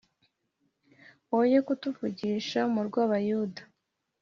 woye kutuvugisha mu rw’Abayuda